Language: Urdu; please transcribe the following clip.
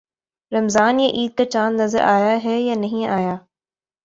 رمضان یا عید کا چاند نظر آیا ہے یا نہیں آیا؟